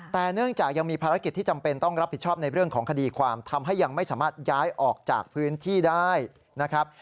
แต่เนื่องจากยังมีภารกิจที่จำเป็นต้องรับผิดชอบในเรื่องของคดีความทำให้ยังไม่สามารถย้ายออกจากพื้นที่ได้นะครับ